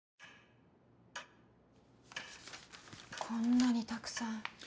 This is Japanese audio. こんなにたくさん？